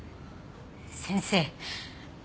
先生。